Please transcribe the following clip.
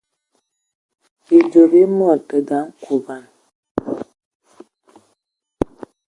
Bidzɔ bi mɔ tə daŋ ekud bɔŋ.